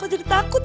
kau jadi takut ya